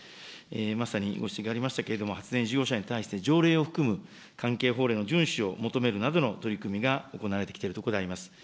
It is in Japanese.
まさにご指摘ありましたけれども、発電事業者に対して条例を含む関係法令の順守を求めるなどの取り組みが行われてきているところであります。